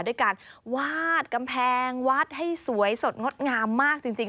ด้วยการวาดกำแพงวัดให้สวยสดงดงามมากจริง